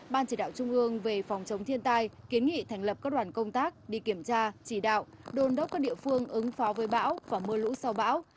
ban chỉ đạo trung ương về phòng chống thiên tai kiến nghị thành lập các đoàn công tác đi kiểm tra chỉ đạo đôn đốc các địa phương ứng phó với bão và mưa lũ sau bão